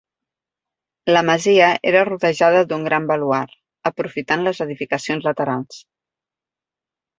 La masia era rodejada d'un gran baluard, aprofitant les edificacions laterals.